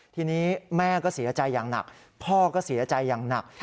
ทีนี้แม่ก็เสียใจอย่างหนักพ่อก็เสียใจอย่างหนัก